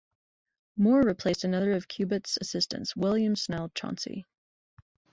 Moore replaced another of Cubitt's assistants, William Snell Chauncy.